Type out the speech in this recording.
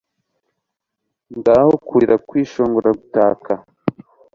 Ngaho kurira kwishongora gutaka